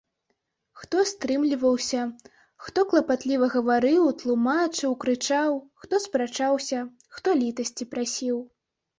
Хто стрымліваўся, хто клапатліва гаварыў, тлумачыў, крычаў, хто спрачаўся, хто літасці прасіў.